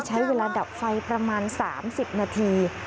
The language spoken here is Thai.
ใช้เวลาดับไฟประมาณ๓๐นาที